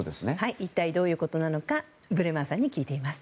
一体どういうことなのかブレマーさんに聞いています。